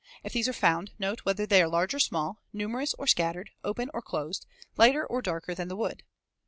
If these are found, note whether they are large or small, numerous or scattered, open or closed, lighter or darker than the wood.